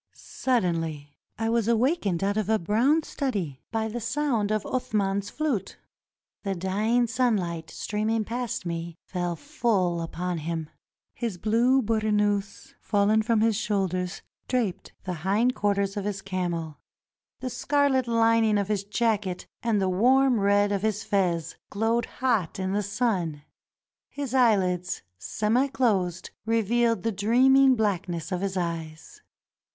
Suddenly I was awakened out of a brown study by the sound of Athman's flute. The dying sunlight streaming past me fell full upon him. His blue burnous, fallen from his shoulders, draped the hind quarters of his camel. The scarlet lining of his jacket and the warm red of his fez glowed hot in the sun. His eyehds, semi closed, revealed the dreaming blackness of his eyes.